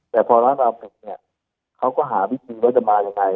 แต่พอร้านเราปิดเนี่ยเขาก็หาวิธีว่าจะมายังไง